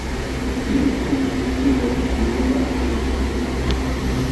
Li ricevis postenon en jura instituto.